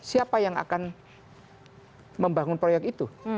siapa yang akan membangun proyek itu